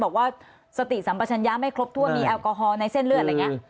บอกว่าสติสัมปชัญญาไม่ครบถ้วนมีแอลกอฮอลในเส้นเลือดอะไรอย่างนี้